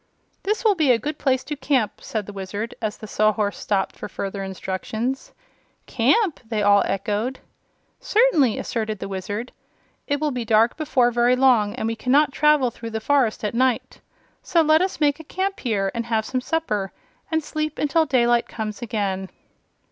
"This will be a good place to camp," said the Wizard, as the Sawhorse stopped for further instructions. "Camp!" they all echoed. "Certainly," asserted the Wizard. "It will be dark before very long and we cannot travel through this forest at night. So let us make a camp here, and have some supper, and sleep until daylight comes again."